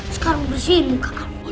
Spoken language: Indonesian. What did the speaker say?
sekarang bersihin muka kamu